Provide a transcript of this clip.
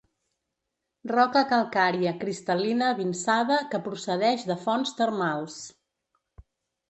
Roca calcària cristal·lina vinçada que procedeix de fonts termals.